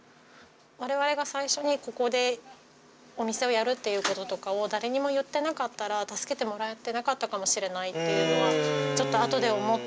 我々が最初にここでお店をやるっていうこととかを誰にも言ってなかったら助けてもらえてなかったかもしれないっていうのはちょっとあとで思って。